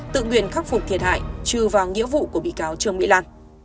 tự nguyện khắc phục thiệt hại trừ vào nghĩa vụ của bị cáo trương mỹ lan